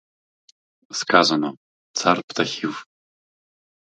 Сказано — цар птахів.